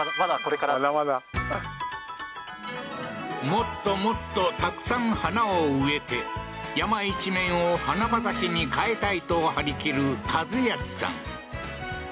もっともっとたくさん花を植えて、山一面を花畑に変えたいと張り切る一康さん。